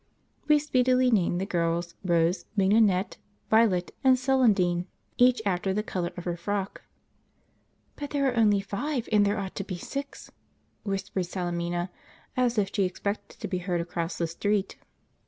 We speedily named the girls Rose, Mignonette, Violet, and Celandine, each after the colour of her frock. "But there are only five, and there ought to be six," whispered Salemina, as if she expected to be heard across the street.